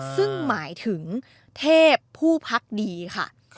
ซึ่งหมายถึงเทพผู้พักดีค่ะ